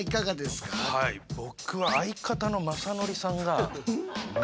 僕は相方の雅紀さんが何だろう？